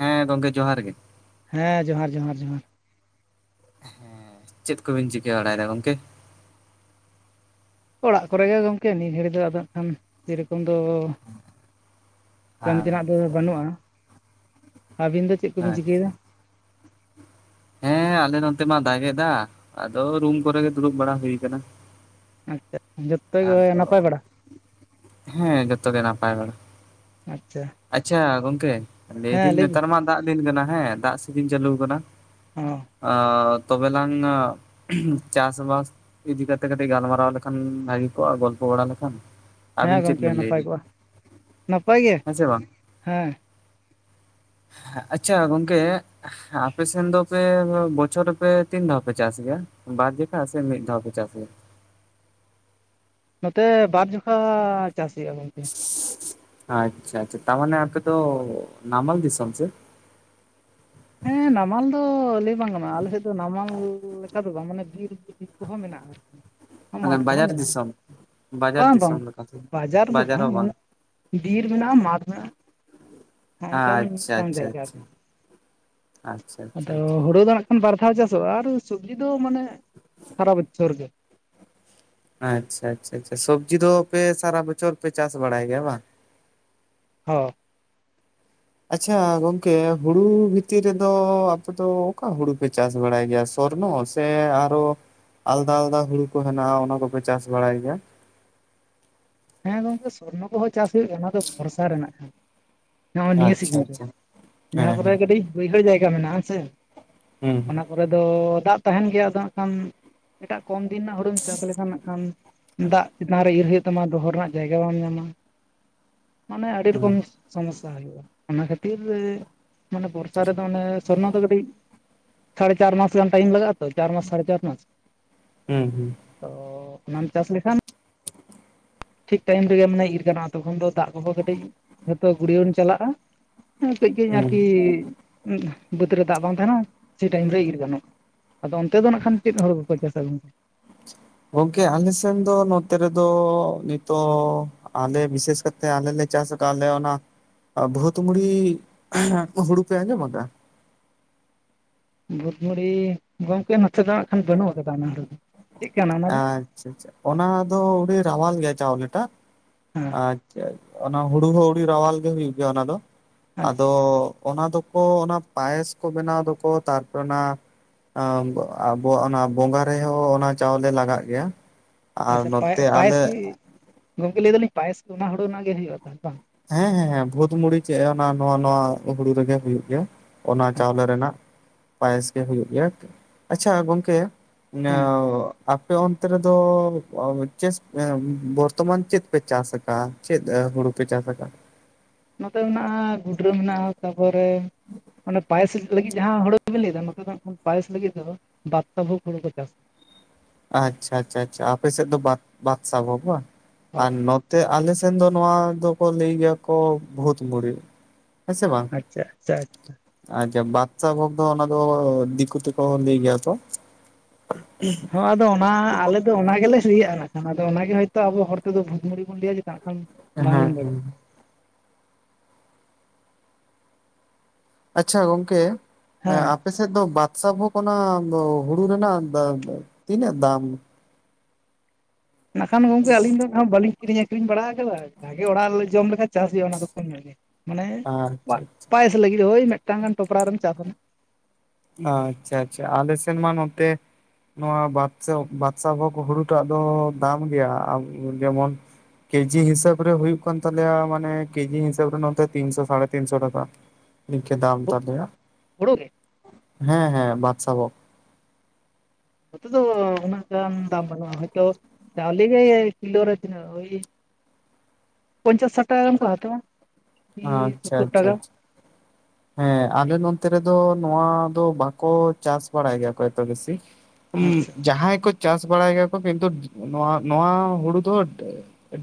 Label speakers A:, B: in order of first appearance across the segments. A: ᱦᱮᱸ ᱜᱚᱝᱠᱮ ᱡᱚᱦᱟᱨ ᱜᱮ ᱾
B: ᱦᱮᱸ ᱡᱚᱦᱟᱨ ᱡᱚᱦᱟᱨ ᱡᱚᱦᱟᱨ ᱾
A: ᱦᱮᱸ ᱪᱮᱫ ᱠᱚᱵᱤᱱ ᱪᱤᱠᱟᱹ ᱵᱟᱲᱟᱭᱮᱫᱟ ᱜᱚᱝᱠᱮ?
B: ᱚᱲᱟᱜ ᱠᱚᱨᱮ ᱜᱮ ᱜᱚᱝᱠᱮ ᱱᱤᱭᱟᱹ ᱜᱷᱟᱹᱲᱤᱡ ᱫᱚ ᱟᱫᱚ [unintelligible] ᱡᱮᱨᱚᱠᱚᱢ ᱫᱚ, ᱠᱟᱹᱢᱤ ᱛᱮᱸᱱᱟᱜ ᱫᱚ
A: ᱟᱪᱪᱷᱟ
B: ᱵᱟᱹᱱᱩᱜᱼᱟ᱾ ᱟᱹᱵᱤᱱ ᱫᱚ ᱪᱮᱫ ᱠᱚᱵᱤᱱ ᱪᱤᱠᱟᱹᱭᱮᱫᱟ?
A: ᱦᱮᱸᱻ ᱟᱞᱮ ᱱᱚᱸᱛᱮ ᱢᱟ ᱫᱟᱜᱮᱫᱟ ᱟᱫᱚ ᱨᱩᱢ ᱠᱚᱨᱮᱜᱮ ᱫᱩᱲᱩᱵ ᱵᱟᱲᱟ ᱦᱩᱭ ᱠᱟᱱᱟ᱾
B: ᱟᱪᱪᱷᱟ ᱟᱪᱪᱷᱟ [unintelligible]
A: ᱟᱫᱚ ᱦᱮᱸ ᱡᱚᱛᱚᱜᱮ ᱱᱟᱯᱟᱭ ᱵᱟᱲᱟ
B: ᱟᱪᱪᱷᱟ
A: ᱾ ᱟᱪᱪᱷᱟ ᱜᱚᱝᱠᱮ
B: ᱦᱮᱸ
A: ᱞᱟᱹᱭᱫᱟᱹᱧ
B: ᱞᱟᱹᱭ ᱵᱤᱱ
A: ᱱᱮᱸᱛᱟᱨ ᱢᱟ ᱫᱟᱜ ᱫᱤᱱ ᱠᱟᱱᱟ ᱾ᱦᱮᱸ ᱫᱟᱜ ᱥᱤᱡᱤᱸᱱ ᱪᱟᱹᱞᱩ ᱠᱟᱱᱟ᱾
B: ᱚᱸ,
A: ᱚ ᱛᱚᱵᱮᱞᱟᱝ ᱪᱟᱥᱵᱟᱥ ᱤᱫᱤ ᱠᱟᱛᱮ ᱠᱟᱹᱴᱤᱡ ᱜᱟᱞᱢᱟᱨᱟᱣ ᱞᱮᱠᱷᱟᱱ ᱜᱚᱞᱯᱚ ᱵᱟᱲᱟ ᱞᱮᱠᱷᱟᱱ
B: ᱦᱮᱸ
A: ᱟᱵᱤᱸᱱ ᱪᱮᱫ
B: ᱜᱚᱢᱠᱮ
A: ᱵᱤᱱ
B: ᱱᱟᱯᱟᱭ
A: ᱞᱟᱹᱭᱫᱟ
B: ᱠᱚᱜᱼᱟ ᱱᱟᱯᱟᱭ ᱜᱮ
A: ᱦᱮᱸᱥᱮ ᱵᱟᱝ?
B: ᱦᱮᱸ
A: ᱟᱪᱪᱷᱟ ᱜᱚᱝᱠᱮ ᱟᱯᱮ ᱥᱮᱱ ᱫᱚᱯᱮ ᱵᱚᱪᱷᱚᱨ ᱨᱮ ᱯᱮ ᱛᱤᱸᱱ ᱫᱷᱟᱣ ᱯᱮ ᱪᱟᱥ ᱜᱮᱭᱟ? ᱵᱟᱨ ᱡᱮᱠᱷᱟ ᱥᱮ ᱢᱤᱫ ᱫᱷᱟᱣ ᱯᱮ ᱪᱟᱥᱟ ᱜᱮᱭᱟ?
B: ᱱᱚᱸᱛᱮ ᱵᱟᱨ ᱡᱚᱠᱷᱟ ᱪᱟᱥ ᱦᱩᱭᱩᱜ ᱼᱟ ᱜᱚᱝᱠᱮ ᱾
A: ᱟᱪᱪᱷᱟ ᱟᱪᱪᱷᱟ ᱛᱟ ᱢᱟᱱᱮ ᱟᱯᱮ ᱛᱚ ᱱᱟᱢᱟᱞ ᱫᱤᱥᱚᱢ ᱥᱮ?
B: ᱦᱮᱸ ᱱᱟᱢᱟᱞ ᱫᱚ ᱞᱟᱹᱭ ᱵᱟᱝ ᱜᱟᱱᱚᱜᱼᱟ ᱟᱞᱮ ᱥᱮᱫ ᱫᱚ ᱱᱟᱢᱟᱞ ᱞᱮᱠᱟ ᱫᱚ ᱵᱟᱝ ᱢᱟᱱᱮ ᱵᱤᱨ ᱵᱤᱨ ᱠᱚᱦᱚᱸ ᱢᱮᱱᱟᱜᱼᱟ᱾ [inaudible] ᱢᱟᱴᱷ
A: ᱢᱟᱱᱮ
B: ᱠᱚᱦᱚᱸ
A: ᱵᱟᱡᱟᱨ
B: ᱢᱮᱱᱟᱜᱼᱟ
A: ᱫᱤᱥᱚᱢ? ᱵᱟᱡᱟᱨ
B: ᱵᱟᱝ ᱵᱟᱝ
A: ᱫᱤᱥᱚᱢ ᱞᱮᱠᱟ ᱥᱮ
B: ᱵᱟᱡᱟᱨ ᱫᱚ ᱵᱟᱝ ᱢᱟᱱᱮ ᱵᱤᱨ ᱢᱮᱱᱟᱜᱼᱟ ᱢᱟᱴᱷ ᱢᱮᱱᱟᱜᱼᱟ ᱱᱚᱜ-ᱚ
A: ᱟᱪᱪᱷᱟ
B: ᱱᱚᱜᱠᱟᱱ
A: ᱟᱪᱪᱷᱟ
B: ᱡᱟᱭᱜᱟ
A: ᱟᱪᱪᱷᱟ
B: ᱟᱨᱠᱤ᱾
A: ᱟᱪᱪᱷᱟ ᱟᱪᱪᱷᱟ ᱟᱪᱪᱷᱟ
B: ᱟᱫᱚ ᱦᱩᱲᱳ ᱫᱚ ᱱᱟᱜ ᱠᱷᱟᱱ ᱵᱟᱨ ᱫᱷᱟᱣ ᱪᱟᱥᱚᱜᱼᱟ ᱟᱨ ᱥᱚᱵᱽᱡᱤ ᱫᱚ ᱢᱟᱱᱮ ᱥᱟᱨᱟ ᱵᱚᱪᱷᱚᱨ ᱜᱮ᱾
A: ᱟᱪᱪᱷᱟ ᱟᱪᱪᱷᱟ ᱟᱪᱪᱷᱟ ᱟᱪᱪᱷᱟ ᱥᱚᱵᱽᱡᱤ ᱫᱚ ᱯᱮ ᱥᱟᱨᱟ ᱵᱚᱪᱷᱚᱨ ᱯᱮ ᱪᱟᱥ ᱵᱟᱲᱟᱭ ᱜᱮᱭᱟ ᱵᱟᱝ᱾
B: ᱚᱻ
A: ᱟᱪᱪᱷᱟ ᱜᱚᱝᱠᱮ ᱦᱩᱲᱩ ᱵᱷᱤᱛᱤᱨ ᱨᱮᱫᱚ ᱟᱯᱮ ᱫᱚ ᱚᱠᱟ ᱦᱩᱲᱩ ᱯᱮ ᱪᱟᱥ ᱵᱟᱲᱟᱭ ᱜᱮᱭᱟ ᱥᱚᱨᱱᱚ? ᱥᱮ ᱟᱨᱚ ᱟᱞᱫᱟ ᱟᱞᱫᱟ ᱦᱩᱲᱩ ᱠᱚ ᱦᱮᱸᱱᱟᱜᱼᱟ ᱚᱱᱟ ᱠᱚᱯᱮ ᱪᱟᱥ ᱵᱟᱲᱟᱭ ᱜᱮᱭᱟ᱾
B: ᱦᱮᱸ ᱜᱚᱝᱠᱮ ᱥᱚᱨᱱᱚ ᱠᱚ ᱦᱚᱸ ᱪᱟᱥ ᱦᱩᱭᱩᱜᱼᱟ ᱚᱱᱟ ᱫᱚ ᱵᱚᱨᱥᱟ ᱨᱮᱱᱟᱜᱼᱼ ᱱᱚᱜᱼᱚᱭ ᱱᱤᱭᱟᱹ
A: ᱟᱪᱪᱷᱟ
B: ᱥᱤᱡᱤᱱ ᱨᱮ
A: ᱟᱪᱪᱷᱟ
B: ᱡᱟᱦᱟᱸ
A: ᱦᱮᱸ
B: ᱠᱚᱨᱮ
A: ᱦᱮᱸ
B: ᱠᱟᱹᱴᱤᱡ ᱵᱟᱹᱭᱦᱟᱹᱲ ᱡᱟᱭᱜᱟ ᱢᱮᱱᱟᱜᱼᱟ ᱦᱮᱸ ᱥᱮ᱾
A: ᱦᱩᱸ
B: ᱛᱟᱯᱚᱨᱮ ᱫᱚ ᱫᱟᱜ ᱛᱟᱦᱮᱸᱱ ᱜᱮᱭᱟ ᱟᱫᱚ ᱦᱟᱸᱜ ᱠᱷᱟᱱ ᱮᱴᱟᱜ ᱠᱚᱢ ᱫᱤᱱ ᱨᱮᱱᱟᱜ ᱦᱩᱲᱩᱢ ᱪᱟᱥ ᱞᱮᱠᱷᱟᱱ ᱱᱟᱜ ᱠᱷᱟᱱ ᱫᱟᱜ ᱪᱮᱛᱟᱱ ᱨᱮ ᱤᱨ ᱦᱩᱭᱩᱜ ᱛᱟᱢᱟ ᱫᱚᱦᱚ ᱨᱮᱱᱟᱜ ᱡᱟᱭᱜᱟ ᱵᱟᱢ ᱧᱟᱢᱟ ᱢᱟᱱᱮ ᱟᱹᱰᱤ
A: ᱦᱩᱸ
B: ᱨᱚᱠᱚᱢ᱾ ᱥᱚᱢᱚᱥᱥᱟ ᱦᱩᱭᱩᱜᱼᱟ ᱚᱱᱟ ᱠᱷᱟᱹᱛᱤᱨ ᱢᱟᱱᱮ ᱵᱚᱨᱥᱟ ᱨᱮᱫᱚ ᱚᱱᱮ ᱥᱚᱨᱱᱚ ᱫᱚ ᱠᱟᱹᱴᱤᱡ ᱥᱟᱲᱮ ᱪᱟᱨ ᱢᱟᱥᱟᱱ ᱜᱟᱱ ᱴᱟᱭᱤᱢ ᱞᱟᱜᱟ ᱛᱚ ᱪᱟᱨ ᱢᱟᱥ ᱥᱟᱲᱮ ᱪᱟᱨ ᱢᱟᱥ᱾
A: ᱦᱩᱸ ᱦᱩᱸ
B: ᱛᱚ ᱚᱱᱟᱢ ᱪᱟᱥ ᱞᱮᱠᱷᱟᱱ ᱴᱷᱤᱠ ᱴᱟᱭᱤᱢ ᱨᱮᱜᱮ ᱢᱟᱱᱮ ᱤᱨ ᱜᱟᱱᱚᱜ-ᱟ ᱛᱚᱠᱷᱚᱱ ᱫᱚ ᱫᱟᱜ ᱠᱚ ᱦᱚᱸ ᱠᱟᱹᱴᱤᱡ ᱡᱷᱚᱛᱚ ᱜᱩᱲᱭᱟᱹᱚᱱ ᱪᱟᱞᱟᱜᱼᱟ᱾ [unintelligible] ᱠᱟᱹᱡ ᱠᱟᱹᱡ
A: ᱦᱩᱸ
B: ᱟᱨᱠᱤ ᱵᱟᱹᱫᱽ ᱨᱮ ᱫᱟᱜ ᱵᱟᱝ ᱛᱟᱸᱦᱮᱱᱟ ᱥᱮ ᱴᱟᱹᱭᱤᱢ ᱨᱮ ᱤᱨ ᱜᱟᱱᱚᱜ᱾ ᱟᱫᱚ ᱚᱱᱛᱮ ᱫᱚ ᱱᱟᱜ ᱠᱷᱟᱱ ᱪᱮᱫ ᱦᱩᱲᱩ ᱠᱚᱯᱮ ᱪᱟᱥᱟ ᱜᱚᱝᱠᱮ?
A: ᱜᱚᱝᱠᱮ ᱟᱞᱮ ᱥᱮᱱ ᱫᱚ ᱱᱚᱛᱮ ᱨᱮᱫᱚ ᱱᱤᱛᱚᱜ ᱟᱞᱮ ᱵᱤᱥᱮᱥᱠᱟᱨ ᱛᱮ ᱟᱞᱮ ᱞᱮ ᱪᱟᱥ ᱠᱟᱜ-ᱟ ᱟᱞᱮ ᱚᱱᱟ᱾ ᱟᱨ ᱵᱚᱦᱚᱛ ᱢᱩᱲᱤ ᱦᱩᱲᱩ ᱯᱮ ᱟᱸᱡᱚᱢ ᱟᱠᱟᱫᱟ?
B: ᱵᱩᱫᱢᱩᱲᱤ ᱜᱚᱝᱠᱮ ᱱᱚᱸᱛᱮ ᱫᱚ ᱦᱟᱸᱜ ᱠᱷᱟᱱ ᱵᱟᱹᱱᱩᱜ ᱟᱠᱟᱫᱟ ᱚᱱᱟ ᱦᱚᱲ ᱫᱚ᱾ ᱪᱮᱫ ᱠᱟᱱᱟ ᱚᱱᱟ
A: ᱟᱪᱪᱷᱟ
B: ᱫᱚ
A: ᱟᱪᱪᱷᱟ ᱟᱪᱪᱷᱟ ᱚᱱᱟ ᱫᱚ ᱟᱹᱰᱤ ᱨᱟᱣᱟᱞ ᱜᱮᱭᱟ ᱪᱟᱣᱞᱮ ᱴᱟᱜ᱾
B: ᱦᱮᱸ
A: ᱟᱪᱪᱷᱟ ᱟᱪᱪᱷᱟ ᱚᱱᱟ ᱦᱩᱲᱩ ᱦᱩ ᱟᱹᱰᱤ ᱨᱟᱣᱟᱞ ᱜᱮ ᱦᱩᱭᱩᱜ ᱜᱮᱭᱟ ᱚᱱᱟ ᱫᱚ
B: ᱟᱪᱪᱷᱟ
A: ᱟᱫᱚ ᱚᱱᱟ ᱫᱚᱠᱚ ᱚᱱᱟ ᱯᱟᱭᱮᱥ ᱠᱚ ᱵᱮᱱᱟᱣ ᱫᱚᱠᱚ ᱛᱟᱨᱯᱚᱨᱮ ᱚᱱᱟ ᱮᱸ ᱟᱵᱚᱣᱟᱜ ᱚᱱᱟ ᱵᱚᱸᱜᱟ ᱨᱮ ᱦᱚᱸ ᱚᱱᱟ ᱪᱟᱣᱞᱮ ᱞᱟᱜᱟᱜ ᱜᱮᱭᱟ᱾ ᱟᱨ ᱱᱚᱸᱛᱮ ᱟᱞᱮ
B: ᱜᱚᱢᱠᱮ ᱞᱟᱹᱭ ᱮᱫᱟᱞᱤᱸᱧ ᱯᱟᱭᱮᱥ ᱚᱱᱟ ᱦᱩᱲᱩ ᱨᱮᱱᱟᱜ ᱜᱮ ᱦᱩᱭᱩᱜᱼᱟ ᱛᱚ ᱵᱟᱝ?
A: ᱦᱮᱸ ᱦᱮᱸ ᱵᱷᱩᱛ ᱢᱩᱲᱤ ᱪᱮᱫ ᱮ ᱚᱱᱟ ᱱᱚᱣᱟ ᱱᱚᱣᱟ ᱦᱩᱲᱩ ᱨᱮᱜᱮ ᱦᱩᱭᱩᱜ ᱜᱮᱭᱟ᱾ ᱚᱱᱟ ᱪᱟᱣᱞᱮ ᱨᱮᱱᱟᱜ ᱯᱟᱭᱮᱥ ᱜᱮ ᱦᱩᱭᱩᱜ ᱜᱮᱭᱟ ᱟᱪᱪᱷᱟ ᱜᱚᱝᱠᱮᱼᱼ [unintelligible]
B: ᱦᱮᱸ
A: ᱟᱯᱮ ᱚᱱᱛᱮ ᱨᱮ ᱫᱚ ᱪᱮᱥ ᱵᱚᱨᱛᱚᱢᱟᱱ ᱪᱮᱫ ᱯᱮ ᱪᱟᱥ ᱟᱠᱟᱜᱼᱟ ᱪᱮᱫ ᱦᱩᱲᱩ ᱯᱮ ᱪᱟᱥ ᱟᱠᱟᱜᱼᱟ?
B: ᱱᱚᱛᱮ ᱢᱮᱱᱟᱜᱼᱟ ᱜᱩᱰᱨᱟᱹ ᱢᱮᱱᱟᱜᱼᱟ ᱛᱟᱯᱚᱨᱮᱼᱼ ᱚᱱᱮ ᱯᱟᱭᱮᱥ ᱞᱟᱹᱜᱤᱫ ᱡᱟᱦᱟᱸ ᱦᱩᱲᱩ ᱵᱤᱱ ᱞᱟᱹᱭ ᱮᱫᱟ ᱱᱚᱛᱮ ᱫᱚ ᱯᱟᱭᱮᱥ ᱞᱟᱹᱜᱤᱫ ᱫᱚ ᱵᱟᱫᱽᱥᱟ ᱵᱷᱳᱜᱽ ᱦᱩᱲᱩ ᱠᱚ ᱪᱟᱥᱟ
A: ᱟᱪᱪᱷᱟ ᱟᱪᱪᱷᱟ ᱟᱪᱪᱷᱟ ᱟᱯᱮ ᱥᱮᱫ ᱫᱚ ᱵᱟ ᱵᱟᱫᱥᱟ ᱵᱚᱜ
B: ᱦᱳᱭ
A: [unintelligible] ᱛᱮ ᱟᱞᱮ ᱥᱮᱱ ᱫᱚ ᱱᱚᱣᱟ ᱫᱚᱠᱚ ᱞᱟᱹᱭ ᱜᱮᱭᱟ ᱠᱚ ᱵᱷᱩᱛ ᱢᱩᱲᱤ ᱦᱮᱸ ᱥᱮ ᱵᱟᱝ?
B: ᱟᱪᱪᱷᱟ ᱟᱪᱪᱷᱟ ᱟᱪᱪᱷᱟ
A: ᱟᱪᱪᱷᱟ ᱵᱟᱫᱥᱟ ᱵᱷᱳᱜ ᱫᱚ ᱚᱱᱟ ᱫᱚ ᱫᱤᱠᱩ ᱛᱮᱠᱚ ᱞᱟᱹᱭ ᱜᱮᱭᱟ ᱛᱚᱼᱼ
B: ᱦᱚᱸ ᱟᱫᱚ ᱚᱱᱟ ᱟᱞᱮ ᱫᱚ ᱚᱱᱟ ᱜᱮᱞᱮ ᱥᱚᱦᱤᱭᱟᱜ-ᱟ᱾ ᱟᱫᱚ ᱚᱱᱟᱜᱮ ᱦᱳᱭᱛᱚ ᱟᱵᱚ ᱦᱚᱲᱮᱫᱚ ᱵᱷᱩᱛ ᱢᱩᱲᱤ ᱵᱚᱱ ᱞᱟᱹᱭ ᱢᱮᱛᱟᱜ ᱠᱟᱱ᱾
A: ᱚᱱᱟᱜᱮ᱾ ᱟᱪᱪᱷᱟ ᱜᱚᱝᱠᱮ, ᱮᱸᱻ
B: ᱦᱮᱸ
A: ᱟᱯᱮᱥ ᱥᱮᱫ ᱫᱚ ᱵᱟᱫᱥᱟ ᱵᱷᱚᱜᱽ ᱠᱟᱱᱟ ᱦᱩᱲᱩ ᱨᱮᱱᱟᱜ ᱛᱤᱱᱟᱹᱜ ᱫᱟᱢ?
B: ᱱᱟᱜᱠᱷᱟᱱ ᱜᱚᱝᱠᱮ ᱟᱹᱞᱤᱧ ᱫᱚ ᱦᱟᱸᱜ ᱵᱟᱹᱞᱤᱧ ᱠᱤᱨᱤᱧ ᱟᱹᱠᱷᱨᱤᱧ ᱵᱟᱲᱟ ᱟᱠᱟᱫᱟ, ᱡᱟᱜᱮ ᱚᱲᱟᱜ ᱨᱮᱞᱮ ᱡᱚᱢ ᱞᱮᱠᱟ ᱪᱟᱥ ᱦᱩᱭᱩᱜ-ᱟ ᱚᱱᱟ ᱫᱚ ᱠᱚᱢᱧᱚᱜ ᱜᱮ᱾ ᱢᱟᱱᱮ
A: ᱟᱪᱪᱷᱟ
B: ᱯᱟ
A: ᱟᱪᱪᱷᱟ᱾
B: ᱯᱟᱭᱮᱥ ᱞᱟᱹᱜᱤᱫ ᱦᱳᱭ ᱢᱤᱫᱴᱟᱝ ᱜᱟᱱ ᱴᱚᱯᱨᱟ ᱨᱮᱢ ᱪᱟᱥᱟᱱᱟ᱾
A: ᱟᱪᱪᱷᱟ ᱟᱪᱪᱷᱟ, ᱟᱞᱮ ᱥᱮᱱ ᱢᱟ ᱱᱚᱛᱮ ᱱᱚᱣᱟ ᱵᱟᱫᱥᱟ, ᱵᱟᱫᱥᱟ ᱵᱷᱚᱜᱽ ᱦᱩᱲᱩᱴᱟᱜ ᱫᱚ ᱫᱟᱢ ᱜᱮᱭᱟ᱾ ᱡᱮᱢᱚᱱ ᱠᱮᱡᱤ ᱦᱤᱥᱟᱹᱵᱽ ᱨᱮ ᱦᱩᱭᱩᱜ ᱠᱟᱱ ᱛᱟᱞᱮᱭᱟ ᱢᱟᱱᱮ ᱠᱮᱡᱤ ᱦᱤᱥᱟᱹᱵ ᱨᱮ ᱱᱚᱛᱮ ᱛᱤᱱ ᱥᱚ ᱥᱟᱲᱮ ᱛᱤᱱ ᱥᱚ ᱴᱟᱠᱟ᱾ ᱱᱤᱝᱠᱟᱹ ᱫᱟᱢ ᱛᱟᱞᱮᱭᱟ᱾
B: ᱦᱩᱲᱩ ᱜᱮ?
A: ᱦᱮᱸ ᱦᱮᱸ, ᱵᱟᱫᱥᱟ ᱵᱷᱚᱜᱽ᱾
B: ᱱᱚᱛᱮ ᱫᱚ ᱩᱱᱟ. ᱜ ᱜᱟᱱ ᱫᱟᱢ ᱵᱟᱹᱱᱩᱜ-ᱟ, ᱦᱳᱭᱛᱚ ᱪᱟᱣᱞᱮ ᱜᱮ ᱠᱤᱞᱳ ᱨᱮ ᱛᱤᱱᱟ. ᱜ? ᱳᱭ ᱯᱚᱧᱪᱟᱥ ᱥᱟᱴ ᱴᱟᱠᱟ ᱜᱟᱱ ᱠᱚ ᱦᱟᱛᱟᱣᱟ, ᱩᱸᱻ
A: ᱟᱪᱪᱷᱟ
B: ᱥᱳᱛᱛᱳᱚᱨ ᱴᱟᱠᱟ᱾
A: ᱟᱪᱪᱷᱟ ᱟᱪᱪᱷᱟ ᱦᱮᱸ ᱟᱞᱮ ᱱᱚᱱᱛᱮ ᱨᱮᱫᱚ ᱱᱚᱣᱟ ᱫᱚ ᱵᱟᱠᱚ ᱪᱟᱥ ᱵᱟᱲᱟᱭ ᱜᱮᱭᱟ ᱠᱚ ᱮᱛᱚ ᱵᱮᱥᱤ᱾ ᱩᱸᱜ,
B: ᱟᱪᱪᱷᱟ
A: ᱡᱟᱦᱟᱸᱭ ᱠᱚ ᱪᱟᱥ ᱵᱟᱲᱟᱭ ᱜᱮᱭᱟᱠᱚ ᱠᱤᱱᱛᱩ ᱱᱚᱣᱟ, ᱱᱚᱣᱟ ᱦᱩᱲᱩ ᱫᱚ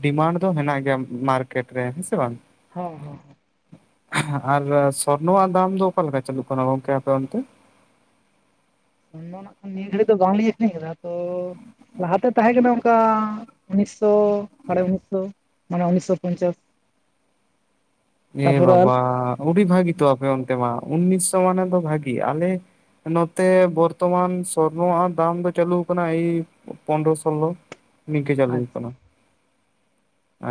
A: ᱰᱤᱢᱟᱱᱰ ᱫᱚ ᱢᱮᱱᱟᱜ ᱜᱮᱭᱟ ᱢᱟᱨᱠᱮᱴ ᱨᱮ ᱦᱮᱸᱥᱮ ᱵᱟᱝ?
B: ᱦᱮᱸ ᱦᱮᱸ ᱦᱮᱸ᱾
A: ᱟᱨ ᱥᱚᱨᱱᱚᱣᱟᱜ ᱫᱟᱢ ᱫᱚ ᱚᱠᱟᱞᱮᱠᱟ ᱪᱟᱹᱞᱩᱜ ᱠᱟᱱᱟ ᱜᱚᱝᱠᱮ ᱟᱯᱮ ᱚᱱᱛᱮ?
B: ᱩᱱ ᱫᱚ ᱱᱟᱜ ᱠᱷᱟᱱ ᱱᱤᱭᱟᱹ ᱜᱷᱟᱹᱲᱤ ᱫᱚ ᱵᱟᱝᱞᱤᱧ ᱟᱹᱠᱷᱨᱤᱧ ᱠᱟᱫᱟ, ᱛᱚ ᱞᱟᱦᱟᱛᱮ ᱛᱟᱦᱮᱸ ᱠᱟᱱᱟ ᱚᱱᱠᱟ ᱩᱱᱤᱥᱥᱚ ᱥᱟᱲᱮ ᱩᱱᱤᱥ ᱥᱚ᱾ ᱢᱟᱱᱮ ᱩᱱᱤᱥᱥᱚ ᱯᱚᱧᱪᱟᱥ᱾
A: ᱮ
B: ᱛᱟᱯᱚᱨᱮ
A: ᱵᱟᱵᱟ ᱚᱰᱤ ᱵᱷᱟᱹᱜᱤ ᱛᱚ ᱟᱯᱮ ᱚᱱᱛᱮ ᱢᱟ᱾ ᱩᱱᱤᱥᱥᱚ ᱢᱟᱱᱮ ᱫᱚ ᱵᱷᱟᱜᱤ ᱟᱞᱮ ᱱᱚᱛᱮ ᱵᱚᱨᱛᱚᱢᱟᱱ ᱥᱚᱨᱱᱚᱣᱟᱜ ᱫᱟᱢ ᱫᱚ ᱪᱟᱹᱟᱞᱩᱣᱟᱠᱟᱱᱟ ᱮ ᱯᱚᱱᱨᱚ ᱥᱳᱞᱞᱳ ᱱᱤᱝᱠᱳ ᱪᱟᱹᱞᱩ ᱠᱟᱱᱟ᱾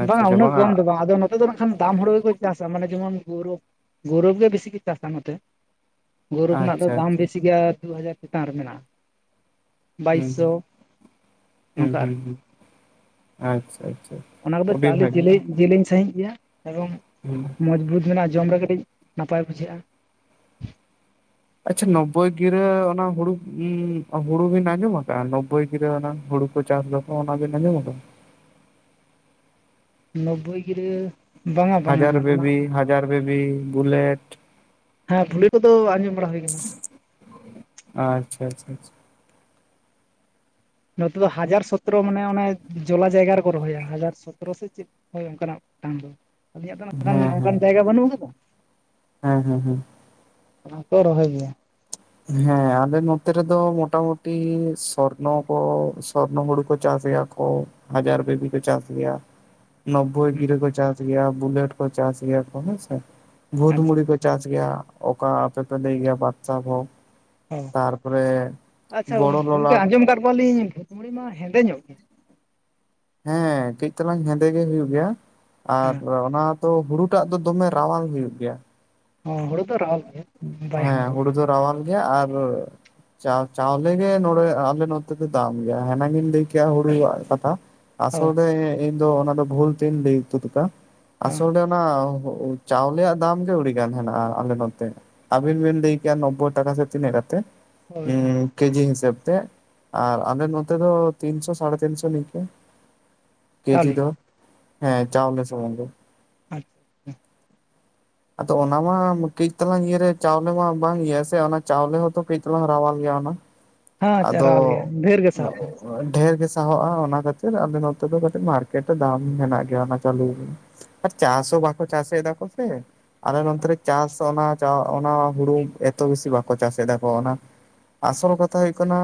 B: ᱵᱟᱝ ᱩᱱᱟᱹᱜ ᱠᱚᱢ ᱫᱚ ᱵᱟᱝ, ᱟᱫᱚ ᱱᱚᱛᱮ ᱫᱚ ᱱᱟᱜ ᱠᱷᱟᱱ ᱫᱟᱢ ᱦᱳᱲᱳ ᱜᱮᱠᱚ ᱪᱟᱥᱟ, ᱢᱟᱱᱮ ᱡᱮᱢᱚᱱ ᱜᱳᱣᱨᱚᱵᱽ, ᱜᱳᱣᱨᱚᱵᱽ ᱜᱮ ᱵᱤᱥᱤ ᱠᱚ ᱪᱟᱥᱟ ᱱᱚᱛᱮ᱾ ᱜᱳᱣᱨᱚᱵᱽ ᱨᱮᱱᱟᱜ ᱫᱚ
A: ᱟᱪᱪᱷᱟ
B: ᱫᱟᱢ
A: ᱟᱪᱪᱷᱟ
B: ᱵᱮᱥᱤ ᱜᱮᱭᱟ ᱫᱩ ᱦᱟᱡᱟᱨ ᱪᱮᱛᱟᱱ ᱨᱮ ᱢᱮᱱᱟᱜ-ᱟ᱾ ᱵᱟᱭᱤᱥᱥᱚ
A: ᱦᱩᱸ ᱦᱩᱸ
B: ᱱᱚᱝᱠᱟ ᱟᱨ
A: ᱦᱩᱸ ᱦᱩᱸ ᱟᱪᱪᱷᱟ ᱟᱪᱪᱷᱟ᱾
B: ᱚᱱᱟ ᱠᱚᱫᱚ
A: ᱟᱹᱰᱤ
B: ᱪᱟᱣᱞᱮ
A: ᱵᱷᱟᱹᱜᱤ
B: ᱡᱮᱞᱮ ᱡᱮᱞᱮᱧ ᱥᱟᱸᱦᱤᱡ ᱜᱮᱭᱟ, ᱮᱵᱚᱝ
A: ᱦᱩᱸ᱾
B: ᱱᱤᱛ ᱢᱚᱡᱮᱱᱟ ᱡᱮ ᱢᱟᱱᱮ ᱠᱟᱹᱴᱤᱡ ᱱᱟᱯᱟᱭ ᱵᱩᱡᱷᱟᱹᱜ-ᱟ᱾
A: ᱟᱪᱪᱷᱟ ᱱᱚᱳᱵᱵᱳᱭ ᱜᱤᱨᱟᱹ ᱚᱱᱟ ᱦᱩᱲᱩ, ᱩᱸᱻ ᱦᱩᱲᱩ ᱵᱤᱱ ᱟᱸᱡᱚᱢ ᱠᱟᱜ-ᱟ ᱱᱚᱳᱵᱵᱳᱭ ᱜᱤᱨᱟᱹ ᱚᱱᱟ ᱦᱩᱲᱩ? ᱪᱟᱥ ᱫᱚᱠᱚ ᱚᱱᱟ‌ ᱵᱮᱱ ᱟᱸᱡᱚᱢ ᱠᱟᱫᱟ?
B: ᱱᱚᱵᱵᱳᱭ ᱜᱤᱨᱟᱹ, ᱵᱟᱝᱟ ᱵᱟᱝᱟ ᱚᱱᱟ
A: ᱡᱟᱨᱵᱮᱵᱤ, ᱵᱩᱞᱮᱴ
B: ᱦᱮᱸ ᱛᱷᱩᱞᱤ ᱠᱚᱫᱚ ᱟᱸᱡᱚᱢ ᱵᱟᱲᱟ ᱦᱩᱭ ᱠᱟᱱᱟ᱾
A: ᱟᱪᱪᱷᱟ ᱟᱪᱪᱷᱟ ᱪᱷᱟ᱾
B: ᱱᱚᱛᱮ ᱫᱚ ᱦᱟᱡᱟᱨ ᱥᱚᱛᱨᱚ ᱢᱟᱱᱮ ᱚᱱᱮ ᱡᱚᱞᱟ ᱡᱟᱭᱜᱟ ᱨᱮᱠᱚ ᱨᱚᱦᱚᱭᱟ᱾ ᱦᱟᱡᱟᱨ ᱥᱚᱛᱨᱚ ᱥᱮ ᱪᱮᱫ? ᱦᱳᱭ ᱚᱱᱠᱟᱱᱟᱜ ᱠᱟᱱᱜᱮᱭᱟ, ᱟᱹᱞᱤᱧᱟᱜ ᱫᱚ ᱱᱟᱜ ᱠᱷᱟᱱ
A: ᱦᱮᱸ
B: ᱚᱝᱠᱟᱱ
A: ᱦᱮᱸ
B: ᱡᱟᱭᱜᱟ ᱵᱟᱹᱱᱩᱜ ᱠᱟᱫᱟ ᱛᱚ᱾
A: ᱦᱮᱸ ᱦᱮᱸ ᱦᱮᱸ᱾
B: ᱚᱱᱟ ᱠᱚ ᱨᱚᱦᱚᱭ ᱜᱮᱭᱟ᱾
A: ᱦᱮᱸ ᱟᱞᱮ ᱱᱚᱛᱮ ᱨᱮᱫᱚ ᱢᱚᱴᱟ ᱢᱩᱴᱤ ᱥᱚᱨᱱᱚ ᱠᱚ ᱥᱚᱨᱱᱚ ᱦᱩᱲᱩ ᱠᱚ ᱪᱟᱥ ᱜᱮᱭᱟ ᱠᱚ ᱦᱟᱡᱟᱨ ᱵᱮᱵᱤ ᱠᱚ ᱪᱟᱥ ᱜᱮᱭᱟ᱾ ᱱᱚᱵᱵᱳᱭ ᱜᱤᱨᱟᱹ
B: ᱦᱩᱸ
A: ᱠᱚ ᱪᱟᱥ ᱜᱮᱭᱟ ᱵᱩᱞᱮᱴ ᱠᱚ ᱪᱟᱥ ᱜᱮᱭᱟ ᱠᱚ ᱦᱮᱸ ᱥᱮ ᱵᱷᱩᱫᱽ
B: ᱟᱪᱪᱷᱟ
A: ᱢᱩᱲᱤ ᱠᱚᱼᱼ ᱪᱟᱥ ᱜᱮᱭᱟ ᱚᱠᱟ ᱟᱯᱮ ᱯᱮ ᱞᱟᱹᱭ ᱜᱮᱭᱟ ᱵᱟᱫᱽᱥᱟ ᱵᱚ᱾
B: ᱚᱻᱟᱪᱪᱷᱟ
A: ᱵᱚᱲᱚ
B: ᱜᱚᱝᱠᱮ
A: ᱞᱚᱞᱟᱴ
B: ᱟᱸᱡᱚᱢ ᱟᱠᱟᱫ ᱠᱚᱣᱟ ᱞᱤᱧ ᱵᱷᱩᱛ ᱢᱩᱲᱤ ᱢᱟ ᱦᱮᱸᱫᱮ ᱧᱚᱜ ᱜᱮ?
A: ᱦᱮᱸ ᱠᱟᱹᱡ ᱛᱟᱞᱟᱝ ᱦᱮᱸᱫᱮ ᱜᱮ ᱦᱩᱭᱩᱜ ᱜᱮᱭᱟ ᱟᱨ
B: ᱦᱮᱸ
A: ᱚᱱᱟᱼᱼ ᱛᱚ ᱦᱩᱲᱩ ᱴᱟᱜ ᱫᱚᱢᱮ ᱨᱟᱣᱟᱞ ᱦᱩᱭᱩᱜ ᱜᱮᱭᱟ᱾
B: ᱚᱸ ᱦᱩᱲᱩᱼᱼ
A: ᱦᱮᱸ ᱦᱩᱲᱩ ᱫᱚ ᱨᱟᱣᱟᱞ ᱜᱮᱭᱟ ᱟᱨᱼᱼ ᱪᱟ ᱪᱟᱣᱞᱮ ᱜᱮ ᱱᱚᱸᱰᱮ ᱟᱞᱮ ᱱᱚᱛᱮ ᱫᱚ ᱫᱟᱢ ᱜᱮᱭᱟ ᱦᱮᱱᱟᱝᱤᱧ ᱞᱟᱹᱭ ᱠᱮᱜ-ᱟ ᱦᱩᱲᱩ ᱣᱟᱜ ᱠᱟᱛᱷᱟ᱾
B: ᱚ
A: ᱟᱥᱚᱞ ᱨᱮ ᱤᱧ ᱫᱚ ᱚᱱᱟ ᱫᱚ ᱵᱷᱩᱞ ᱛᱤᱧ ᱞᱟᱹᱭ ᱛᱩᱫ ᱠᱟᱜ-ᱟ ᱟᱥᱚᱞ ᱨᱮᱼᱼ ᱚᱱᱟ ᱦᱳᱜ-ᱳ ᱪᱟᱣᱞᱮ ᱭᱟᱜ ᱫᱟᱢ ᱜᱮ ᱟᱹᱰᱤ ᱜᱟᱱ ᱦᱮᱱᱟᱜ-ᱟ᱾ ᱟᱞᱮ ᱱᱚᱛᱮ ᱟᱵᱤᱱ ᱵᱤᱱ ᱞᱟᱹᱭ ᱠᱮᱭᱟ ᱱᱚᱵᱵᱳᱭ ᱴᱟᱠᱟ ᱥᱮ ᱛᱤᱱᱟᱹᱜ ᱠᱟᱛᱮᱜ
B: ᱦᱳᱭ
A: ᱩᱸᱻᱼᱼ
B: ᱦᱳᱭ
A: ᱠᱮᱡᱤ ᱦᱤᱥᱟᱹᱵᱽ ᱛᱮ ᱟᱨ ᱟᱞᱮ ᱱᱚᱛᱮ ᱫᱚ ᱛᱤᱱᱥᱚ ᱥᱟᱲᱮ ᱛᱤᱱ ᱥᱚ ᱱᱤᱝᱠᱟᱹ᱾ ᱠᱮᱡᱤ
B: ᱪᱟᱣᱞᱮ
A: ᱫᱚ ᱦᱮᱸ ᱪᱟᱣᱞᱮ ᱥᱩᱢᱩᱝ ᱫᱚ
B: ᱟᱸᱪᱼᱼ
A: ᱟᱫᱚ ᱚᱱᱟ ᱢᱟᱼᱼ ᱠᱟᱹᱡ ᱛᱮᱞᱟᱝ ᱤᱭᱟᱹ ᱨᱮ ᱪᱟᱣᱞᱮ ᱢᱟ ᱵᱟᱝ ᱤᱭᱟᱹᱜ-ᱟ ᱥᱮ ᱚᱱᱟ ᱪᱟᱣᱞᱮ ᱦᱚᱸ ᱛᱚ ᱠᱟᱹᱡ ᱛᱮᱞᱟᱝ ᱨᱟᱣᱟᱞ ᱜᱮᱭᱟ ᱚᱱᱟ᱾
B: ᱟᱪᱪᱷᱟ
A: ᱟᱫᱚ
B: ᱨᱟᱣᱟᱞ ᱜᱮᱭᱟ ᱰᱷᱮᱨ ᱜᱮ ᱥᱟᱦᱚᱵᱼᱟ
A: [inaudible] ᱰᱷᱮᱨ ᱜᱮ ᱥᱟᱦᱚᱵᱼᱟ ᱚᱱᱟ ᱠᱷᱟᱹᱛᱤᱨ ᱟᱞᱮ ᱱᱚᱛᱮ ᱫᱚ ᱠᱟᱹᱴᱤᱡ ᱢᱟᱨᱠᱮᱴ ᱨᱮ ᱫᱟᱢ ᱢᱮᱱᱟᱜ ᱜᱮᱭᱟ ᱚᱱᱟ ᱪᱟᱣᱞᱮ ᱨᱮᱱᱟᱜ᱾ ᱟᱨ ᱪᱟᱥ ᱦᱚᱸ ᱵᱟᱠᱚ ᱪᱟᱥ ᱮᱫ ᱨᱮᱸᱦᱚ ᱥᱮ᱾ ᱟᱞᱮ ᱱᱚᱛᱮ ᱨᱮ ᱪᱟᱥ ᱚᱱᱟ ᱪᱟ ᱚᱱᱟ ᱦᱩᱲᱩ ᱮᱛᱚ ᱵᱮᱥᱤ ᱵᱟᱠᱚ ᱪᱟᱥ ᱮᱫᱟ ᱠᱚ ᱚᱱᱟ᱾ ᱟᱥᱚᱞ ᱠᱟᱛᱼᱼ ᱠᱟᱛᱷᱟ ᱦᱩᱭᱩᱜ ᱠᱟᱱᱟ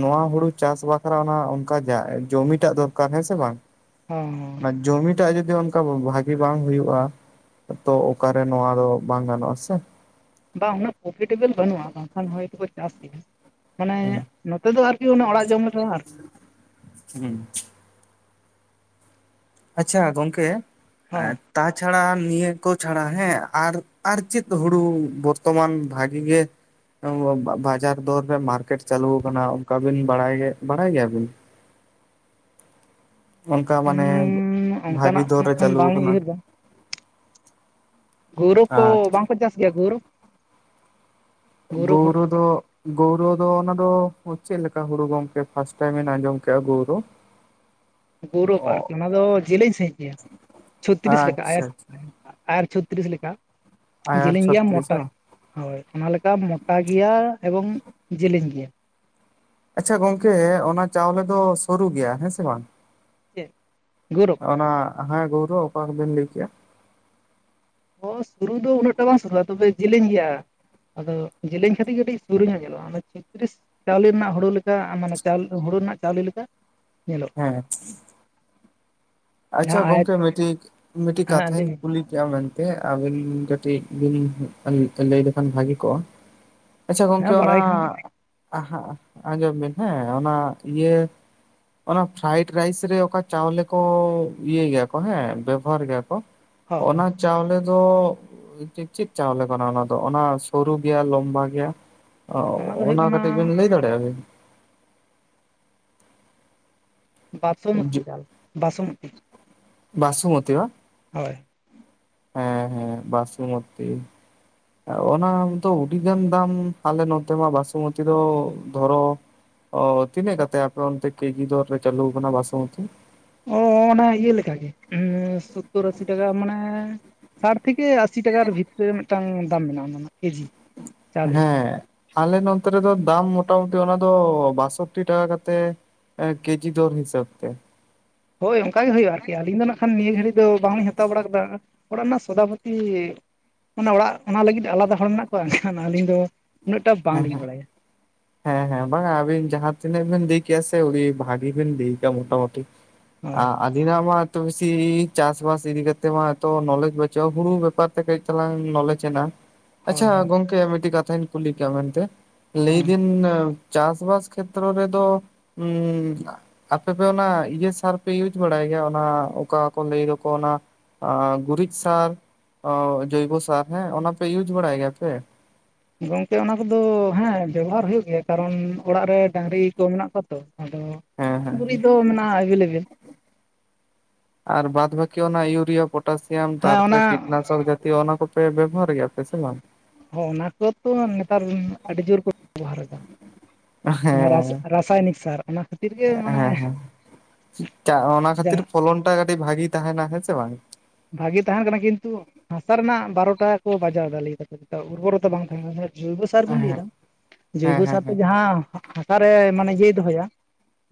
A: ᱱᱚᱣᱟ ᱦᱩᱲᱩ ᱪᱟᱥ ᱵᱟᱠᱷᱨᱟ ᱚᱱᱟ ᱚᱱᱠᱟ ᱡᱟᱜ ᱡᱚᱢᱤᱴᱟᱜ ᱫᱚᱨᱠᱟᱨ ᱦᱮᱸ ᱥᱮ ᱵᱟᱝ?
B: ᱦᱚᱸ ᱦᱚᱸ᱾
A: ᱚᱱᱟ ᱡᱚᱢᱤᱴᱟᱜ ᱡᱩᱫᱤ ᱚᱱᱠᱟ ᱵᱷᱟᱜᱤ ᱵᱟᱝ ᱦᱩᱭᱩᱜ-ᱟ᱾ ᱛᱚ ᱚᱠᱟᱨᱮ ᱱᱚᱣᱟ ᱫᱚ ᱵᱟᱝ ᱜᱟᱱᱚᱜ-ᱟ ᱥᱮ᱾
B: ᱵᱟ ᱩᱱᱟᱹᱜ ᱠᱚᱢᱯᱨᱤᱴᱮᱵᱮᱞ ᱵᱟᱹᱱᱩᱜ-ᱟ ᱵᱟᱝᱠᱷᱟᱱ ᱦᱚᱭᱛᱚ ᱠᱚ ᱪᱟᱥ ᱠᱮ ᱜᱮᱭᱟ᱾ ᱢᱟᱱᱮ
A: ᱦᱩᱸ
B: ᱱᱚᱛᱮ ᱫᱚ ᱟᱨᱠᱤ ᱚᱱᱮ ᱚᱲᱟᱜ ᱡᱚᱢ ᱞᱮᱠᱟ‌ ᱟᱨᱼᱼ
A: ᱦᱩᱸ᱾ ᱟᱪᱪᱷᱟ ᱜᱚᱝᱠᱮ
B: ᱦᱚᱸ
A: ᱟᱫᱼᱼ ᱛᱟ ᱪᱷᱟᱲᱟ ᱱᱤᱭᱟᱹ ᱠᱚ ᱪᱷᱟᱲᱟ ᱦᱮᱸ ᱟᱨ ᱪᱮᱫ ᱦᱩᱲᱩ ᱵᱚᱨᱛᱚᱢᱟᱱ ᱵᱷᱟᱜᱤ ᱜᱮᱼᱹ ᱚᱶᱚ ᱵᱟᱡᱟᱨ ᱫᱚᱨ ᱨᱮ ᱢᱟᱨᱠᱮᱴ ᱪᱟᱞᱩ ᱠᱟᱱᱟ ᱚᱱᱠᱟ ᱵᱤᱱ ᱵᱟᱲᱟᱭ ᱜᱮ ᱵᱟᱲᱟᱭ ᱜᱮᱭᱟ ᱵᱤᱱ? ᱚᱱᱠᱟ ᱢᱟᱱᱮ
B: ᱩᱸᱻ
A: ᱵᱷᱟᱜᱤ
B: ᱚᱱᱠᱟᱱᱟᱜ
A: ᱫᱚᱨ
B: ᱱᱟᱜ
A: ᱨᱮ
B: ᱠᱷᱟᱱ
A: ᱪᱟᱞᱩ
B: ᱵᱟᱝᱞᱤᱧ
A: ᱠᱟᱱᱟ᱾
B: ᱩᱭᱦᱟᱹᱨ ᱜᱳᱣᱨᱳᱯ ᱠᱚ
A: ᱟᱨ
B: ᱵᱟᱝ ᱠᱚ ᱪᱟᱥ ᱜᱮᱭᱟ ᱜᱳᱣᱨᱳᱯ‌?
A: ᱜᱳᱣᱨᱳ ᱫᱚᱼᱼ ᱜᱳᱣᱨᱳ ᱫᱚ ᱚᱱᱟ ᱫᱚ ᱜᱚᱝᱠᱮ ᱪᱮᱫ ᱞᱮᱠᱟ ᱦᱩᱲᱩ ᱜᱚᱝᱠᱮ ᱯᱷᱟᱥᱴ ᱴᱟᱭᱤᱢ ᱞᱤᱧ ᱟᱸᱡᱚᱢ ᱠᱮᱜ-ᱟ ᱜᱳᱣᱨᱳ?
B: ᱜᱳᱣᱨᱳᱯ ᱟᱨᱠᱤ ᱚᱱᱟ ᱫᱚ ᱡᱮᱞᱮᱧ ᱥᱟᱺᱦᱤᱡ ᱜᱮᱭᱟ ᱪᱷᱚᱛᱨᱤᱥ ᱞᱮᱠᱟ ᱟᱭᱟᱨ
A: ᱟᱪᱪᱷᱟ ᱟᱪᱪᱷᱟ
B: ᱟᱼᱼ ᱟᱭᱟᱨ ᱪᱷᱚᱛᱨᱤᱥ ᱞᱮᱠᱟ
A: ᱟᱭᱟᱨ
B: ᱡᱮᱞᱮᱧ ᱜᱮᱭᱟ
A: ᱪᱷᱚᱛᱨᱤᱥ
B: ᱢᱚᱴᱟᱼᱼ
A: ᱵᱟᱝ
B: ᱦᱳᱭ ᱚᱱᱟ ᱞᱮᱠᱟ ᱢᱚᱴᱟ ᱜᱮᱭᱟ ᱮᱵᱚᱝ ᱡᱮᱞᱮᱧ ᱜᱮᱭᱟ᱾
A: ᱟᱪᱪᱷᱟ ᱜᱚᱝᱠᱮ ᱚᱱᱟ ᱪᱟᱣᱞᱮ ᱫᱚ ᱥᱚᱨᱩ ᱜᱮᱭᱟ ᱦᱮᱸ ᱥᱮ ᱵᱟᱝ?
B: ᱪᱮᱫ ᱜᱳᱣᱨᱳᱯ?
A: ᱚᱱᱟ ᱦᱮᱸ ᱜᱳᱣᱨᱩ ᱚᱠᱟ ᱠᱚᱵᱤᱱ ᱞᱟᱹᱭ ᱠᱮᱜ-ᱟ᱾
B: ᱚ ᱥᱩᱨᱩ ᱫᱚ ᱩᱱᱟᱹᱜᱴᱟ ᱵᱟᱝ ᱥᱩᱨᱩᱼᱟ ᱛᱚᱵᱮ ᱡᱮᱞᱮᱧ ᱜᱮᱭᱟ᱾ ᱟᱫᱚ ᱡᱮᱞᱮᱧ ᱠᱷᱟᱛᱤᱨ ᱠᱟᱹᱴᱤᱡ ᱥᱩᱨᱩ ᱧᱚᱜ ᱧᱮᱞᱚᱜᱼᱟ, [inaudible] ᱛᱨᱤᱥ ᱪᱟᱣᱞᱮ ᱨᱮᱱᱟᱜ ᱦᱩᱲᱩ ᱞᱮᱠᱟ ᱢᱟᱱᱮ ᱪᱟᱣᱞᱮ ᱦᱩᱲᱩ ᱨᱮᱱᱟᱜ ᱪᱟᱣᱞᱮ ᱞᱮᱠᱟ ᱧᱮᱞᱚᱜᱼᱟ᱾
A: ᱦᱮᱸ, ᱟᱪᱪᱷᱟ
B: ᱡᱟᱦᱟᱸ ᱟᱭᱟᱛ
A: ᱜᱚᱝᱠᱮ ᱢᱤᱫᱽᱴᱤᱡ ᱢᱤᱫᱽᱴᱤᱡ
B: ᱦᱮᱸ ᱞᱟᱹᱭ
A: ᱠᱟᱛᱷᱟᱧ
B: ᱵᱤᱱ
A: ᱠᱩᱞᱤ ᱯᱮᱭᱟ ᱢᱮᱱᱛᱮ, ᱛᱮ ᱟᱹᱵᱤᱱ ᱠᱟᱹᱴᱤᱡ ᱵᱤᱱ ᱞᱟᱹᱭ ᱞᱮᱠᱷᱟᱱ ᱵᱷᱟᱜᱮ ᱠᱚᱜᱼᱟ᱾ ᱟᱪᱪᱷᱟ ᱜᱚᱝᱠᱮ
B: ᱦᱮᱸ
A: ᱚᱱᱟ
B: ᱵᱟᱲᱟᱭ ᱠᱷᱟᱱ
A: ᱟᱸᱡᱚᱢ ᱵᱤᱱ ᱦᱮᱸ ᱚᱱᱟ ᱤᱭᱟᱹ ᱚᱱᱟ ᱯᱷᱨᱟᱭᱤᱰ ᱨᱟᱭᱤᱥ ᱨᱮ ᱚᱠᱟ ᱪᱟᱣᱞᱮ ᱠᱚ? ᱤᱭᱟᱹ ᱜᱮᱭᱟ ᱠᱚ ᱦᱮᱸ ᱵᱮᱵᱚᱦᱟᱨ ᱜᱮᱭᱟ ᱠᱚ
B: ᱦᱚᱸ
A: ᱚᱱᱟ
B: ᱦᱚᱸ
A: ᱪᱟᱣᱞᱮ ᱫᱚ ᱪᱮ ᱪᱮᱫᱽ ᱪᱟᱣᱞᱮ ᱠᱟᱱᱟ ᱚᱱᱟ ᱫᱚ ᱚᱱᱟ ᱥᱚᱨᱩ ᱜᱮᱭᱟ ᱞᱚᱢᱵᱟ ᱜᱮᱭᱟ ᱾ ᱚ
B: ᱫᱚ ᱦᱩᱭᱩᱜ
A: ᱚᱱᱟ
B: ᱠᱟᱱᱟ
A: ᱠᱟᱹᱴᱤᱡ ᱵᱤᱱ ᱞᱟᱹᱭ ᱫᱟᱲᱮᱭᱟᱜᱼᱟ ᱵᱤᱱ?
B: ᱵᱟᱥᱚᱢᱚᱛᱤ ᱪᱟᱞ ᱵᱟᱥᱚᱢᱚᱛᱤ,
A: ᱵᱟᱥᱩᱢᱚᱛᱤ ᱵᱟᱝ?
B: ᱦᱳᱭ,
A: ᱦᱩᱸ ᱦᱩᱸ ᱵᱟᱥᱩᱢᱚᱛᱤ ᱚᱱᱟ ᱫᱚ ᱩᱰᱤᱜᱟᱱ ᱫᱟᱢ ᱟᱞᱮ ᱱᱚᱛᱮ ᱢᱟ ᱵᱟᱥᱚᱢᱚᱛᱤ ᱫᱚ ᱫᱷᱚᱨᱚ ᱚ ᱛᱤᱱᱟᱹᱜ ᱠᱟᱛᱮ ᱟᱯᱮ ᱚᱱᱛᱮ ᱠᱮᱡᱤ ᱫᱚᱨ ᱨᱮ ᱪᱟᱞᱩ ᱠᱟᱱᱟ ᱵᱟᱥᱢᱚᱛᱤ?
B: ᱚ ᱚᱱᱟ ᱤᱭᱟᱹ ᱞᱮᱠᱟᱜᱮ ᱥᱳᱚᱛᱛᱳᱚᱨ ᱟᱥᱤ ᱴᱟᱠᱟ ᱢᱟᱱᱮ ᱥᱟᱴ ᱛᱷᱮᱠᱮ ᱟᱥ ᱟᱥᱤ ᱴᱟᱠᱟ ᱵᱷᱤᱛᱨᱤ ᱨᱮ ᱢᱤᱫᱽᱴᱟᱝ ᱫᱟᱢ ᱢᱮᱱᱟᱜᱼᱟ ᱚᱱᱟ ᱨᱮᱱᱟᱜ ᱠᱮᱡᱤ ᱾
A: ᱦᱩᱸ ᱟᱞᱮ ᱱᱚᱛᱮ ᱨᱮᱫᱚ ᱫᱟᱢ ᱢᱚᱴᱟᱢᱩᱴᱤ ᱚᱱᱟ ᱫᱚ ᱵᱟᱥᱳᱚᱴᱴᱤ ᱴᱟᱠᱟ ᱠᱟᱛᱮᱜ ᱾ ᱠᱮᱡᱤ ᱫᱚᱨ ᱦᱤᱥᱟᱹᱵ ᱛᱮ ᱾
B: ᱦᱳᱭ ᱚᱱᱠᱟ ᱜᱮ ᱦᱩᱭᱩᱜᱼᱟ ᱟᱨᱠᱤ ᱟᱹᱞᱤᱧ ᱫᱚ ᱱᱟᱜ ᱠᱷᱟᱱ ᱱᱤᱭᱟᱹ ᱜᱷᱟᱹᱲᱤ ᱫᱚ ᱵᱟᱝᱞᱤᱧ ᱦᱟᱛᱟᱣ ᱵᱟᱲᱟ ᱠᱟᱫᱟ ᱾ ᱚᱲᱟᱜ ᱨᱮᱱᱟᱜ ᱥᱚᱫᱟᱯᱚᱛᱤ ᱚᱱᱟ ᱚᱲᱟᱜ ᱚᱱᱟ ᱞᱟᱹᱜᱤᱫ ᱟᱞᱟᱫᱟ ᱦᱚᱲ ᱢᱮᱱᱟᱜ ᱠᱚᱣᱟ ᱟᱹᱞᱤᱧ ᱫᱚ, ᱩᱱᱟᱹᱜᱴᱟ
A: ᱦᱮᱸ
B: ᱵᱟᱝᱞᱤᱧ
A: ᱦᱮᱸ
B: ᱵᱟᱲᱟᱭᱟ ᱾
A: ᱦᱮᱸ ᱦᱮᱸ ᱵᱟᱝᱟ ᱟᱵᱤᱱ ᱡᱟᱦᱟᱸ ᱛᱤᱱᱟᱹᱜ ᱵᱤᱱ ᱞᱟᱹᱭ ᱠᱮᱭᱟ ᱥᱮ ᱩᱰᱤ ᱵᱷᱟᱜᱤ ᱵᱤᱱ ᱞᱟᱹᱭ ᱠᱟᱜᱼᱟ ᱢᱚᱴᱟᱟᱢᱩᱴᱤ ᱾ [inaudible]
B: ᱦᱳᱭ
A: ᱢᱟ ᱛᱚ ᱵᱮᱥᱤ ᱪᱟᱥ ᱵᱟᱥ ᱤᱫᱤ ᱠᱟᱛᱮᱫ ᱢᱟ ᱛᱚ ᱱᱚᱞᱮᱡᱽ ᱵᱟᱹᱪᱩᱜᱼᱟ ᱦᱩᱲᱩ ᱵᱮᱯᱟᱨ ᱛᱮ ᱠᱟᱹᱡ ᱪᱟᱞᱟᱝ ᱱᱚᱞᱮᱡ ᱦᱮᱱᱟᱜᱼᱟ ᱾
B: ᱦᱳᱭ
A: ᱟᱪᱪᱷᱟ
B: ᱦᱳᱭ
A: ᱜᱚᱝᱠᱮ ᱢᱤᱫᱽᱴᱤᱡ ᱠᱟᱛᱷᱟᱧ ᱠᱩᱞᱤ ᱠᱮᱭᱟ ᱢᱮᱱᱛᱮ
B: ᱦᱮᱸ
A: ᱞᱟᱹᱭᱫᱤᱧ ᱪᱟᱥᱵᱟᱥ ᱠᱷᱮᱛᱨᱚ ᱨᱮᱫᱚ ᱩ ᱟᱯᱮᱯᱮ ᱚᱱᱟ ᱤᱭᱟᱹ ᱥᱟᱨᱯᱮ ᱤᱭᱩᱡᱽ ᱵᱟᱲᱟᱭ ᱜᱮᱭᱟ ᱚᱱᱟ ᱚᱠᱟ ᱠᱚ ᱞᱟᱹᱭ ᱫᱚᱠᱚ ᱚᱱᱟ [inaudible] ᱜᱩᱨᱤᱡ ᱥᱟᱨ ᱡᱚᱭᱵᱚ ᱥᱟᱨ ᱦᱮᱸ ᱚᱱᱟ ᱯᱮ ᱤᱭᱩᱡᱽ ᱵᱟᱲᱟᱭ ᱜᱮᱭᱟᱯᱮ?
B: ᱜᱚᱝᱠᱮ ᱚᱱᱟ ᱠᱚᱫᱚ ᱦᱮᱸ ᱵᱮᱵᱚᱦᱟᱨ ᱦᱩᱭᱩᱜ ᱜᱮᱭᱟ ᱠᱟᱨᱚᱱ ᱚᱲᱟᱜ ᱨᱮ ᱰᱟᱹᱟᱝᱨᱤ ᱠᱚ ᱢᱮᱱᱟᱜ ᱠᱚᱣᱟ ᱛᱚ ᱾ ᱟᱫᱚ
A: ᱦᱮᱸ
B: ᱜᱩᱨᱤᱡ
A: ᱦᱮᱸ
B: ᱫᱚ ᱢᱮᱱᱟᱜᱼᱟ ᱮᱵᱮᱞᱮᱵᱮᱞ ᱾
A: ᱟᱨ ᱵᱟᱫᱽ ᱵᱟᱠᱤ ᱚᱱᱟ ᱤᱭᱩᱨᱤᱭᱟ ᱯᱚᱴᱟᱥᱤᱭᱟᱢ
B: ᱦᱮᱸ ᱚᱱᱟ
A: ᱛᱟᱨᱯᱚᱨ ᱠᱤᱴᱱᱟᱥᱚᱠ ᱡᱟ ᱛᱤ ᱚᱱᱟ ᱠᱚᱯᱮ ᱵᱮᱵᱚᱦᱟᱨ ᱜᱮᱭᱟᱯᱮ ᱥᱮ ᱵᱟᱝ?
B: ᱦᱚ ᱚᱱᱟ ᱠᱚᱛᱚ ᱱᱮᱛᱟᱨ ᱟᱹᱰᱤ ᱡᱳᱨ ᱠᱚ ᱵᱮᱵᱚᱦᱟᱨ ᱮᱫᱟ ᱾ ᱡᱟᱦᱟᱸ ᱨᱟᱥᱟ
A: ᱦᱮᱸ
B: ᱨᱟᱥᱟᱭᱱᱤᱠ ᱥᱟᱨ ᱚᱱᱟ ᱠᱷᱟᱹᱛᱤᱨ ᱜᱮ ᱢᱟᱱᱮ,
A: ᱦᱮᱸ [inaudible] ᱚᱱᱟ ᱠᱷᱟᱹᱛᱤᱨ
B: ᱡᱟᱦᱟᱸ
A: ᱯᱷᱚᱞᱚᱱ ᱴᱟ ᱠᱟᱹᱴᱤᱡ ᱵᱷᱟᱜᱤ ᱛᱟᱦᱮᱱᱟ ᱦᱮᱸ ᱥᱮ ᱵᱟᱝ?
B: ᱵᱷᱟᱜᱤ ᱛᱟᱦᱮᱱ ᱠᱟᱱᱟ ᱠᱤᱱᱛᱩ ᱦᱟᱥᱟ ᱨᱮᱱᱟᱜ ᱵᱟᱨᱚᱴᱟ ᱠᱚ ᱵᱟᱡᱟᱣ ᱮᱫᱟ ᱞᱟᱹᱭ ᱫᱟᱠᱚ ᱛᱚ ᱩᱨᱵᱚᱨᱚᱛᱟ ᱵᱟᱝ ᱛᱟᱦᱮᱸ ᱠᱟᱱᱟ ᱥᱮ ᱾ ᱡᱚᱭᱵᱚ ᱥᱟᱨ ᱵᱮᱤᱱ
A: ᱦᱮᱸ
B: ᱞᱟᱹᱭᱫᱟ?
A: ᱦᱮᱸ
B: ᱡᱳᱭᱵᱚ
A: ᱦᱮᱸ
B: ᱥᱟᱨ ᱛᱮ
A: ᱦᱮᱸ
B: ᱡᱟᱦᱟᱸ ᱦᱟᱥᱟᱨᱮ ᱢᱟᱱᱮ ᱤᱭᱟᱹᱭ ᱫᱚᱦᱚᱭᱟ,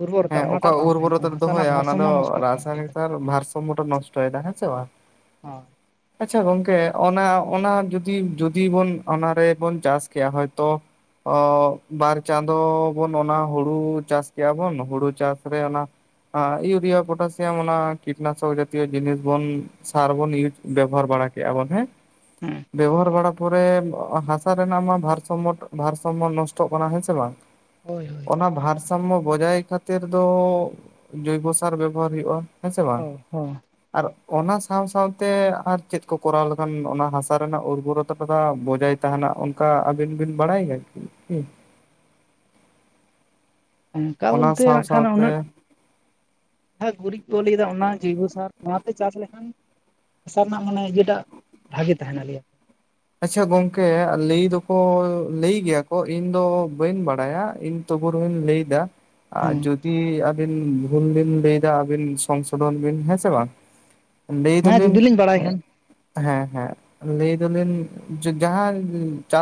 B: ᱩᱨᱵᱚᱨᱚᱛᱟ
A: ᱦᱮᱸ ᱚᱠᱟ
B: ᱚᱱᱟᱴᱟᱜ ᱵᱟᱝ ᱛᱟᱦᱮᱱ ᱠᱟᱱᱟ
A: ᱩᱨᱵᱚᱨᱚᱛᱮ
B: ᱦᱟᱥᱟ ᱨᱮᱱᱟᱜ
A: ᱫᱚᱦᱚᱭᱟ ᱚᱱᱟ ᱫᱚ
B: ᱵᱷᱟᱨᱥᱟᱢᱢᱚ ᱱᱚᱥᱴᱚᱜ ᱠᱟᱱᱟ
A: ᱨᱟᱥᱟᱭᱚᱱᱤᱠ ᱥᱟᱨ ᱵᱷᱟᱨ ᱥᱟᱢᱢᱚᱭ ᱱᱚᱥᱴᱚᱭᱮᱫᱟ ᱦᱮᱸ ᱥᱮ ᱵᱟᱝ?
B: ᱦᱚ,
A: ᱟᱪᱪᱷᱟ ᱜᱚᱝᱠᱮ ᱚᱱᱟ ᱚᱱᱟ ᱡᱩᱫᱤ ᱡᱩᱫᱤ ᱵᱚᱱ ᱚᱱᱟᱨᱮᱵᱚᱱ ᱪᱟᱥ ᱠᱮᱭᱟ ᱦᱚᱭᱛᱚ, ᱚ ᱵᱟᱨ ᱪᱟᱸᱫᱚ ᱵᱚᱱ ᱚᱱᱟ ᱦᱩᱲᱩ ᱪᱟᱥ ᱠᱮᱭᱟ ᱵᱚᱱ, ᱦᱩᱲᱩ ᱪᱟᱥ ᱨᱮ ᱚᱱᱟ ᱦᱟ ᱤᱭᱩᱨᱤᱭᱟ, ᱯᱚᱴᱟᱥᱤᱭᱟᱢ, ᱚᱱᱟ ᱠᱤᱴᱱᱟᱥᱚᱠ ᱡᱟᱛᱤᱭᱚ ᱡᱤᱱᱤᱥ ᱵᱚᱱ ᱥᱟᱨ ᱵᱚᱱ ᱤᱭᱩᱡᱽ ᱵᱮᱵᱚᱦᱟᱨ ᱵᱟᱲᱟ ᱠᱮᱭᱟᱼᱼ ᱠᱮᱭᱵᱚᱱ ᱦᱮᱸ,
B: ᱦᱮᱸ
A: ᱵᱮᱵᱚᱦᱟᱨ ᱵᱟᱲᱟᱼᱼ ᱛᱟᱨᱯᱚᱨᱮ ᱦᱟᱥᱟ ᱨᱮᱱᱟᱜ ᱢᱟ ᱵᱷᱟᱨ ᱥᱚᱢᱚᱛ, ᱵᱷᱟᱨ ᱥᱚᱢᱢᱚᱫᱽ ᱱᱚᱥᱴᱚᱜ ᱠᱟᱱᱟ ᱦᱮᱸ ᱥᱮ ᱵᱟᱝ ᱾
B: ᱦᱳᱭ ᱾
A: ᱚᱱᱟ ᱵᱷᱟᱨ ᱥᱟᱢᱢᱚ ᱵᱚᱡᱟᱭ ᱠᱷᱟᱹᱛᱤᱨ ᱫᱚ ᱡᱚᱭᱵᱚ ᱥᱟᱨ ᱵᱮᱵᱚᱦᱟᱨ ᱦᱩᱭᱩᱜᱼᱟ ᱾ ᱦᱮᱸᱥᱮ ᱵᱟᱝ
B: ᱦᱚᱸ ᱦᱚᱸ
A: ᱾ ᱟᱨ ᱚᱱᱟ ᱥᱟᱸᱶ ᱥᱟᱸᱶᱛᱮ ᱟᱨ ᱪᱮᱫ ᱠᱚ ᱠᱚᱨᱟᱣ ᱞᱮᱠᱷᱟᱱ ᱚᱱᱟ ᱦᱟᱥᱟ ᱨᱮᱱᱟᱜ ᱩᱨᱵᱚᱨᱚᱛᱟ ᱵᱚᱡᱟᱭᱼᱼ ᱛᱟᱸᱦᱟᱱᱟ, ᱚᱱᱠᱟ ᱟᱵᱤᱱ ᱵᱤᱱ ᱵᱟᱲᱟᱭ ᱜᱮᱭᱟ ᱠᱤ?
B: ᱚᱱᱠᱟ
A: ᱚᱱᱟ
B: ᱵᱚᱞᱛᱮ
A: ᱥᱟᱶ
B: ᱢᱮᱠᱷᱟᱱ
A: ᱥᱟᱶᱛᱮ
B: ᱩᱱᱟᱹᱜ, ᱟᱸᱜ ᱜᱩᱨᱤᱡ ᱠᱚ ᱞᱟᱹᱭᱮᱫᱟ ᱚᱱᱟ ᱡᱳᱭᱵᱚ ᱥᱟᱨ ᱾ ᱪᱟᱥ ᱞᱮᱠᱷᱟᱱ, ᱦᱟᱥᱟ ᱨᱮᱱᱟᱜ ᱢᱟᱱᱮ ᱤᱭᱟᱹᱴᱟᱜ ᱵᱷᱟᱜᱮ ᱛᱟᱦᱮᱱᱟ ᱞᱮᱭᱟ ᱾
A: ᱟᱪᱪᱷᱟ ᱜᱚᱝᱠᱮ ᱞᱟᱹᱭ ᱫᱚᱠᱚ ᱞᱟᱹᱭ ᱜᱮᱭᱟ ᱠᱚ ᱤᱧ ᱫᱚ ᱵᱟᱹᱧ ᱵᱟᱲᱟᱭᱟ ᱤᱧᱼᱼ ᱚ ᱵᱩᱨᱩᱧ ᱞᱟᱹᱭ ᱫᱟ ᱼᱼ ᱟ
B: ᱦᱚᱸ
A: ᱡᱩᱫᱤ ᱟᱹᱵᱤᱱ ᱵᱷᱩᱨᱩᱢ [unintelligible] ᱵᱤᱱ ᱞᱟᱹᱭᱫᱟ ᱟᱹᱵᱤᱱ ᱥᱚᱝᱥᱳᱫᱷᱚᱱ ᱵᱤᱱ ᱦᱮᱸ ᱥᱮ ᱵᱟᱝ ᱾ ᱞᱟᱹᱭᱫᱟ
B: ᱦᱮᱸ
A: ᱵᱤᱱᱼᱼ
B: ᱡᱩᱫᱤ ᱞᱤᱧ ᱵᱟᱲᱟᱭ ᱠᱷᱟᱱ
A: ᱦᱮᱸ ᱦᱮᱸ, ᱞᱟᱹᱭᱫᱟᱵᱤᱱ ᱡᱟᱦᱟᱸ ᱪᱟᱥᱼᱼ